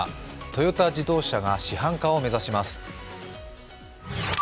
トヨタ自動車が市販化を目指します。